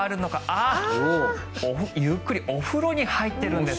あっ、ゆっくりお風呂に入ってるんですね。